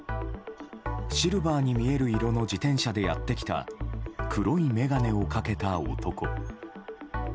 シルバーに見える黒の自転車でやってきた黒い眼鏡をかけた男。